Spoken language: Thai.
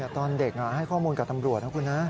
ตอนเด็กให้ข้อมูลกับตำรวจนะคุณนะ